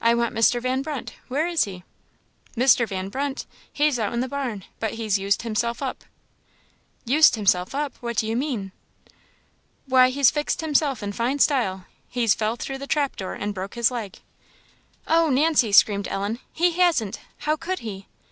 "I want Mr. Van Brunt where is he?" "Mr. Van Brunt! he's out in the barn; but he's used himself up." "Used himself up; what do you mean?" "Why, he's fixed himself in fine style he's fell though the trapdoor, and broke his leg." "Oh, Nancy!" screamed Ellen "he hasn't! How could he?"